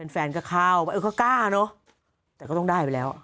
แฟนก็เข้าไปเออก็กล้าเนอะแต่ก็ต้องได้ไปแล้ว